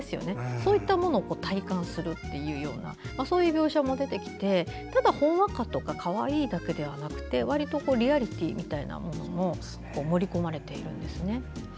そういったものを体感するというようなそういう描写も出てきてただ、ほんわかとかかわいいだけではなくてわりとリアリティーみたいなものも盛り込まれているんですね。